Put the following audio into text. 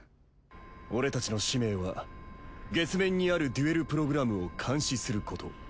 俺たちの使命は月面にあるデュエルプログラムを監視すること。